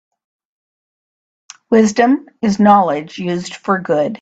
Wisdom is knowledge used for good.